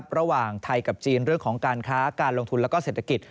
ระหว่างไทยกับจีนเรื่องของการค้าการลงทุนและเศรษฐกิจ